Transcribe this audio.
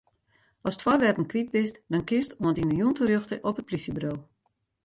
Ast foarwerpen kwyt bist, dan kinst oant yn 'e jûn terjochte op it plysjeburo.